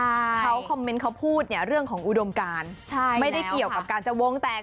เขาคอมเมนต์เขาพูดเนี่ยเรื่องของอุดมการใช่ไม่ได้เกี่ยวกับการจะวงแตก